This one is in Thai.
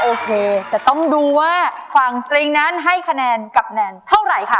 โอเคจะต้องดูว่าฝั่งสตริงนั้นให้คะแนนกับแนนเท่าไหร่ค่ะ